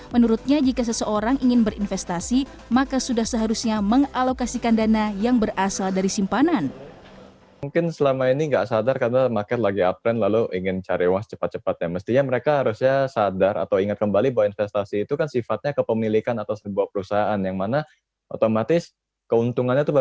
menurutnya jika seseorang ingin berinvestasi maka sudah seharusnya mengalokasikan dana yang berasal dari simpanan